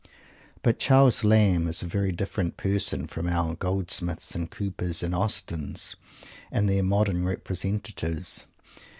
But Charles Lamb is a very different person from our Goldsmiths and Cowpers and Austens, and their modern representatives.